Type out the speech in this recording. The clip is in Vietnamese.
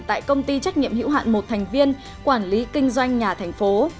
tại công ty trách nhiệm hữu hạn một thành viên quản lý kinh doanh nhà thành phố